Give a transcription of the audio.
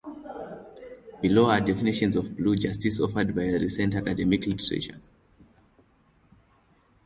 Below are definitions of Blue Justice offered by recent academic literature.